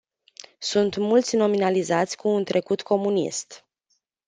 Sunt mulți nominalizați cu un trecut comunist.